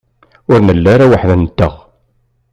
Ur nelli ara weḥd-nteɣ.